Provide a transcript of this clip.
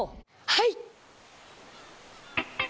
はい！